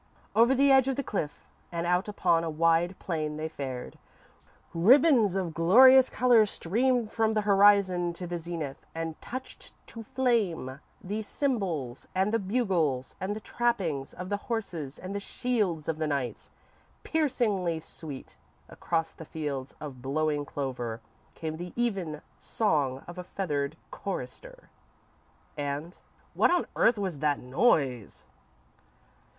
"_ _Over the edge of the cliff and out upon a wide plain they fared. Ribbons of glorious colour streamed from the horizon to the zenith, and touched to flame the cymbals and the bugles and the trappings of the horses and the shields of the knights. Piercingly sweet, across the fields of blowing clover, came the even song of a feathered chorister, and_ what on earth was that noise?